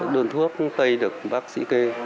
đường thuốc tây được bác sĩ kê